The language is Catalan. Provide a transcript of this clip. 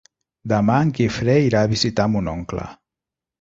Demà en Guifré irà a visitar mon oncle.